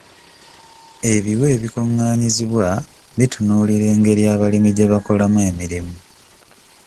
Ebiwe ebikungaanyizibwa bitunuulira engeri abalimi gye bakolamu emirimu.